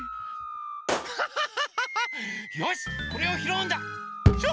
ハハハハハッよしこれをひろうんだ。